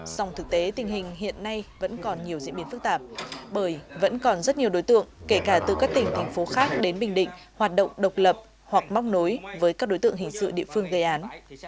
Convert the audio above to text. song thực tế tình hình hiện nay vẫn còn nhiều diễn biến phức tạp bởi vẫn còn rất nhiều đối tượng kể cả từ các tỉnh thành phố khác đến bình định hoạt động độc lập hoặc móc nối với các đối tượng hình sự địa phương gây án